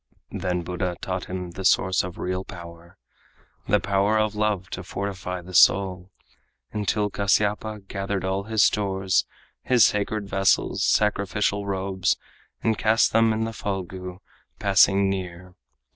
Then Buddha taught the source of real power, The power of love to fortify the soul, Until Kasyapa gathered all his stores, His sacred vessels, sacrificial robes, And cast them in the Phalgu passing near.